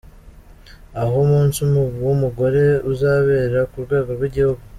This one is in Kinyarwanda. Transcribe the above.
Aho umunsi w’Umugore uzabera ku rwego rw’Igihugu.